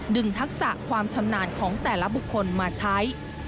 ทักษะความชำนาญของแต่ละบุคคลมาใช้